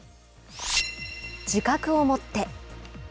自覚を持って。